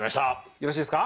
よろしいですか？